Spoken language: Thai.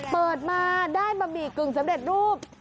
เปิดมาได้บะหมี่กึ่งสำเร็จรูป